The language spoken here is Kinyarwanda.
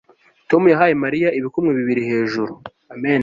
Tom yahaye Mariya ibikumwe bibiri hejuru